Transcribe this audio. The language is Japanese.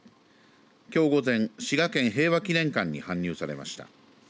きょう午前、滋賀県平和祈念館に搬入されました。